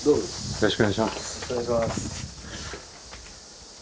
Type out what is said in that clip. よろしくお願いします。